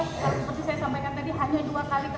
seperti saya sampaikan tadi hanya dua kali ke toilet